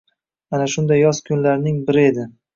Ana shunday yoz kunlarining biri edi.